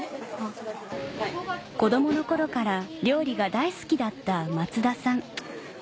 子供の頃から料理が大好きだった松田さん